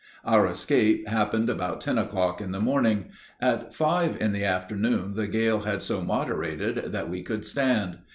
Our escape happened about ten o'clock in the morning; at five in the afternoon the gale had so moderated that we could stand.